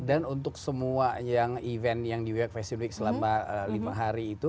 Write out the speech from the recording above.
dan untuk semua event yang di new york fashion week selama lima hari itu